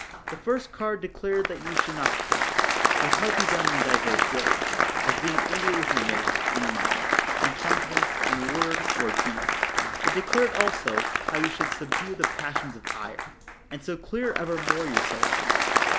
The first card declared that you should not kill, which might be done in divers ways, as being angry with your neighbor, in mind, in counte nance, in word, or deed ; it declared also, how you should subdue the passions of ire, and so clear evermore yourselves from them.